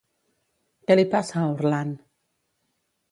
Què li passa a Orland?